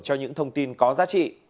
cho những thông tin có giá trị